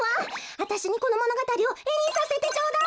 あたしにこのものがたりをえにさせてちょうだい！